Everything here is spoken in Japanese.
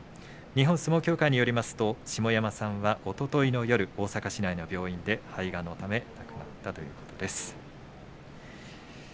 日本相撲協会によりますと下山さんは、おとといの夜大阪市内の病院で肺がんのため亡くなったということです。